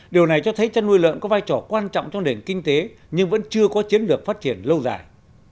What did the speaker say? điều này cho thấy chăn nuôi lợn có vai trò quan trọng trong nền kinh tế nhưng vẫn chưa có chiến lược phát triển lâu dài